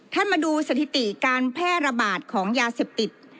มาดูสถิติการแพร่ระบาดของยาเสพติด